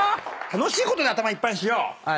楽しいことで頭いっぱいにしよう。